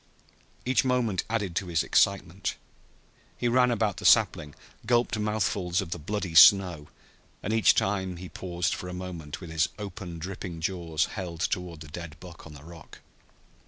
Each moment added to his excitement He ran about the sapling, gulped mouthfuls of the bloody snow, and each time he paused for a moment with his open dripping jaws held toward the dead buck on the rock.